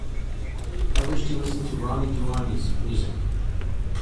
I wish to listen to Roni Duani 's music.